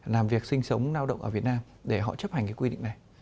làm việc sinh sống lao động ở việt nam để họ chấp hành cái quy định này